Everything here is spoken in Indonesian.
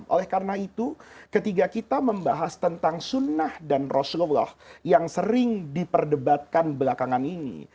oleh karena itu ketika kita membahas tentang sunnah dan rasulullah yang sering diperdebatkan belakangan ini